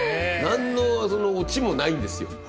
何のオチもないんですよ。